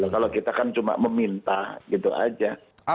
kalau kita kan cuma meminta gitu aja